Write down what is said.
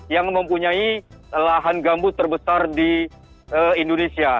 yang mempunyai lahan gambut terbesar di indonesia